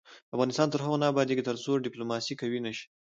افغانستان تر هغو نه ابادیږي، ترڅو ډیپلوماسي قوي نشي.